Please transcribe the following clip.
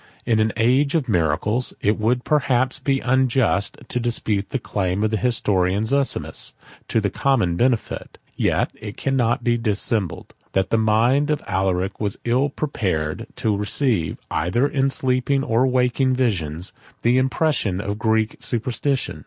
In an age of miracles, it would perhaps be unjust to dispute the claim of the historian Zosimus to the common benefit: yet it cannot be dissembled, that the mind of Alaric was ill prepared to receive, either in sleeping or waking visions, the impressions of Greek superstition.